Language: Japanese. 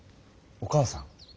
お母さん？